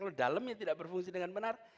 kalau dalamnya tidak berfungsi dengan benar